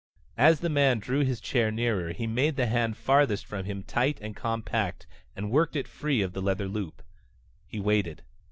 As the big man drew his chair nearer, he made the hand farthest from him tight and compact and worked it free of the leather loop. He waited.